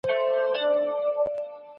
خلګو له يو بل سره همکاري کوله.